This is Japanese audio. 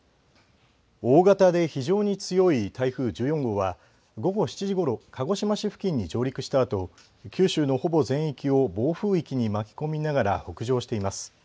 大型で非常に強い台風１４号は午後７時ごろ、鹿児島市付近に上陸したあと、九州のほぼ全域を暴風域に巻き込みながら北上しています。